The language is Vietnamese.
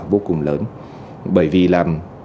vô cùng lớn bởi vì là